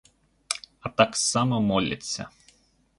А так само моляться.